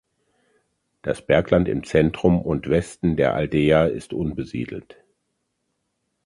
Das Bergland im Zentrum und Westen der Aldeia ist unbesiedelt.